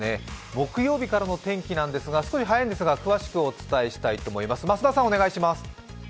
木曜日からの天気なんですが、少し早いんですが詳しくお伝えしたいと思います。